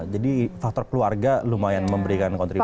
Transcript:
jadi faktor keluarga lumayan memberikan kontribusi